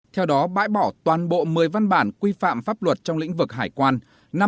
theo đó bãi bỏ toàn bộ một mươi văn bản quy phạm pháp luật trong lĩnh vực hải quan